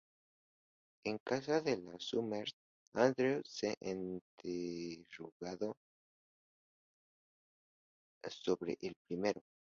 En casa de las Summers, Andrew es interrogado sobre El Primero.